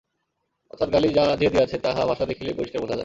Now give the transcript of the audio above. অর্থাৎ গালি যে দিয়াছে তাহা ভাষা দেখিলেই পরিষ্কার বুঝা যায়।